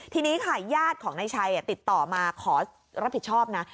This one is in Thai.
ทีนี้ค่ะญาติของนายชัยติดต่อมาขอรับผิดชอบนะ